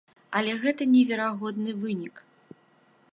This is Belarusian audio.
Але гэта неверагодны вынік.